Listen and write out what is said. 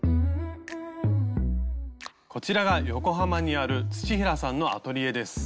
こちらが横浜にある土平さんのアトリエです。